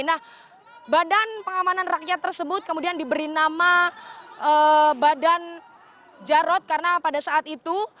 nah badan pengamanan rakyat tersebut kemudian diberi nama badan jarod karena pada saat itu